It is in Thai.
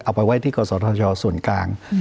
เอาไปไว้ที่กศธชส่วนกลาง